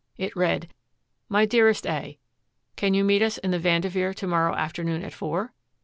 It read: MY DEAREST A : Can you meet us in the Vanderveer to morrow afternoon at four?